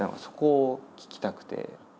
そこを聞きたくて。